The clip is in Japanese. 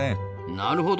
なるほど。